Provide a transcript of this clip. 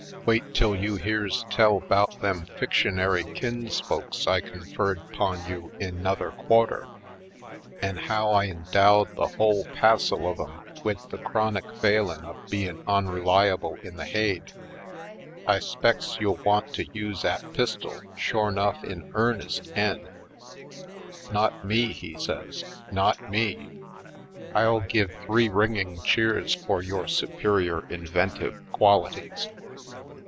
"Wait till you hears tell 'bout them fictionary kinsfolks I's conferred *pon you in 'nother quarter an' how I endowed the whole passil of 'em wid the chronic failin' of bein' onreliable in the haid. I 'spects you'll want to use 'at pistol shore 'nufif in earnest 'en." "Not me," he says; "not me. I'll give three ringing cheers for your superior in ventive qualities.